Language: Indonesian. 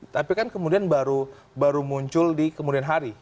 tapi kan kemudian baru muncul di kemudian hari